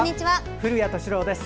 古谷敏郎です。